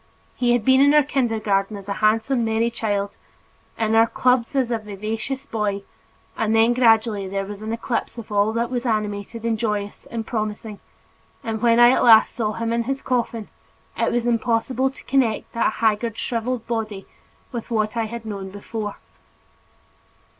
He had been in our kindergarten as a handsome merry child, in our clubs as a vivacious boy, and then gradually there was an eclipse of all that was animated and joyous and promising, and when I at last saw him in his coffin, it was impossible to connect that haggard shriveled body with what I had known before.